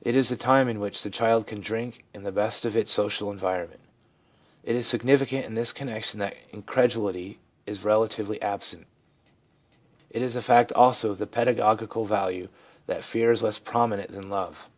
It is the time in which the child can drink in the best of its social environment. 1 It is significant in this connection that incredulity is relatively absent. It is a fact also of pedagogical value that fear is less prominent than love.